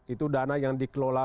itu dana yang dikelola